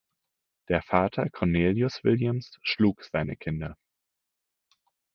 Der Vater Cornelius Williams schlug seine Kinder.